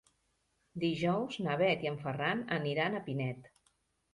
Dijous na Bet i en Ferran aniran a Pinet.